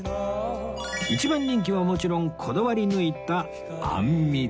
一番人気はもちろんこだわり抜いたあんみつ